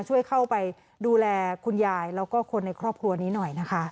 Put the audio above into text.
ช่วยเข้าไปดูแลคุณยายแล้วก็คนในครอบครัวนี้หน่อยนะคะ